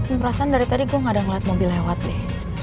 perasaan dari tadi gue gak ada ngeliat mobil lewat nih